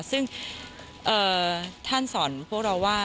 ซึ่งท่านสอนพวกเราว่า